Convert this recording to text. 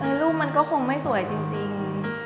แล้วรูปมันก็คงไม่สวยจริง